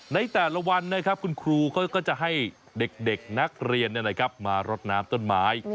ในแต่ละวันนะครับคุณครูเขาก็จะให้เด็กนักเรียนมารดน้ำต้นไม้